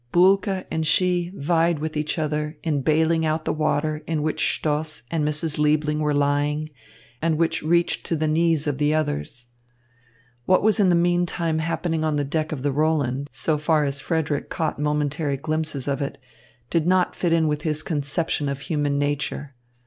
Bulke and she vied with each other in bailing out the water in which Stoss and Mrs. Liebling were lying and which reached to the knees of the others. What was in the meantime happening on the deck of the Roland, so far as Frederick caught momentary glimpses of it, did not fit in with his conception of human nature.